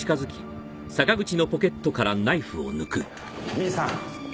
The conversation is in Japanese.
兄さん。